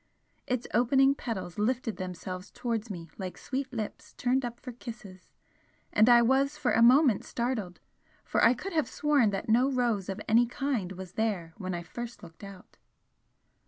Its opening petals lifted themselves towards me like sweet lips turned up for kisses, and I was for a moment startled, for I could have sworn that no rose of any kind was there when I first looked out.